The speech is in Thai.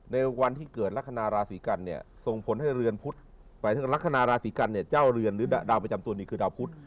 ในวันที่เกิดลักษณะราศีกันเนี่ยส่งผลให้เรือนพุธหมายถึงลักษณะราศีกันเนี่ยเจ้าเรือนหรือดาวประจำตัวนี้คือดาวพุทธ